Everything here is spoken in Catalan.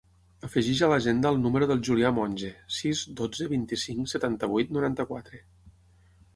Afegeix a l'agenda el número del Julià Monge: sis, dotze, vint-i-cinc, setanta-vuit, noranta-quatre.